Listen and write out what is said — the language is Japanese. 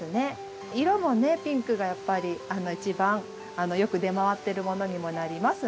色もねピンクがやっぱり一番よく出回ってるものにもなります。